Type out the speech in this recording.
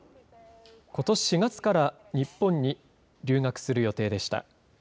ことし４月から日本に留学する予定でした。